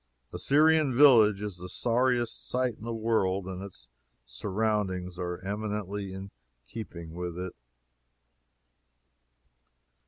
A Syrian village is the sorriest sight in the world, and its surroundings are eminently in keeping with it.